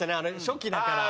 初期だから。